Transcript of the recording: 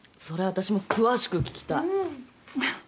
それ私も詳しく聞きたい。